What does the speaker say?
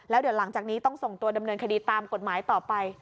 แล้วเดี๋ยวหลังจากนี้ต้องส่งตัวดำเนินคดีตามกฎหมายต่อไป